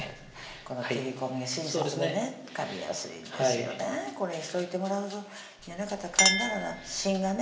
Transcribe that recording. この切り込みが親切でねかみやすいんですよねこれしといてもらうとじゃなかったらかんだら芯がね